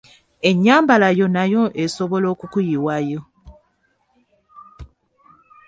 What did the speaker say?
Ennyambala yo nayo esobola okukuyiwayo.